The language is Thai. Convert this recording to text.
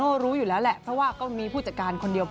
ก็รู้อยู่แล้วแหละเพราะว่าก็มีผู้จัดการคนเดียว